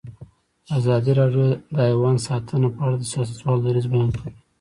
ازادي راډیو د حیوان ساتنه په اړه د سیاستوالو دریځ بیان کړی.